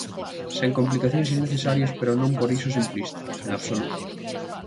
Sen complicacións innecesarias, pero non por iso simplista, en absoluto.